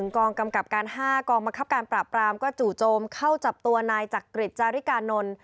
กองกำกับการ๕กองบังคับการปราบปรามก็จู่โจมเข้าจับตัวนายจักริจจาริกานนท์